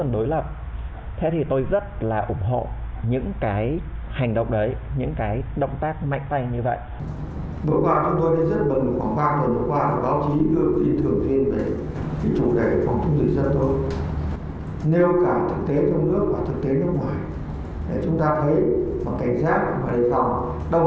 từ đó chí thị một mươi sáu trong những ngày sau đã được chấp hành với nhận thức dịch bệnh cao hơn